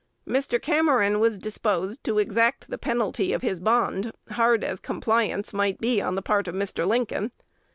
Mr. Cameron was disposed to exact the penalty of his bond, hard as compliance might be on the part of Mr. Lincoln.